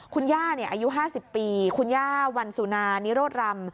คุณย่าอายุ๕๐ปีคุณย่าวันสุนานิโรธรำ